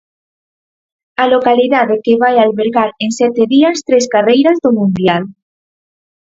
A localidade que vai albergar en sete días tres carreiras do mundial.